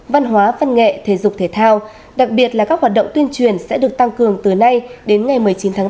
văn hóa văn nghệ thể dục thể thao đặc biệt là các hoạt động tuyên truyền sẽ được tăng cường từ nay đến ngày một mươi chín tháng bốn